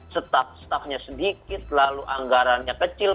staff staffnya sedikit lalu anggarannya kecil